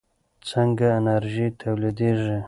څنګه انرژي تولیدېږي؟